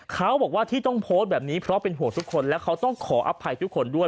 เขาบอกว่าที่ต้องโพสต์แบบนี้เพราะเป็นห่วงทุกคนและเขาต้องขออภัยทุกคนด้วย